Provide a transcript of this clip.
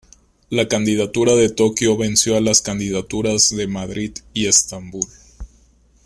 La candidatura de Tokio venció a las candidaturas de Madrid y Estambul.